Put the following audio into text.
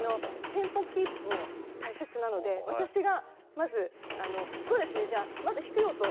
テンポキープも大事なので、私がまず低い音